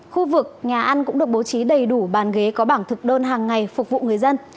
khu vực nhà ăn cũng được bố trí đầy đủ bàn ghế có bảng thực đơn hàng ngày phục vụ người dân